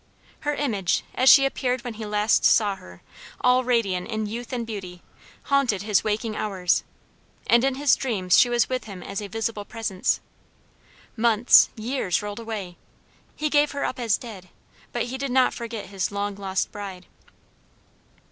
Her image, as she appeared when last he saw her, all radiant in youth and beauty, haunted his waking hours, and in his dreams she was with him as a visible presence. Months, years rolled away; he gave her up as dead, but he did not forget his long lost bride.